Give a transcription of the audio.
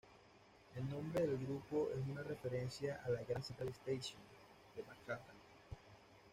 El nombre del grupo es una referencia a la "Grand Central Station" de Manhattan.